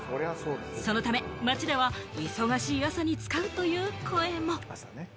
そのため街では忙しい朝に使うという声も。